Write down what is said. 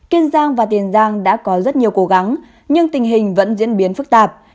kiên giang và tiền giang đã có rất nhiều cố gắng nhưng tình hình vẫn diễn biến phức tạp